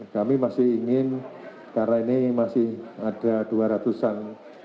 kami masih ingin karena ini masih ada dua ratus an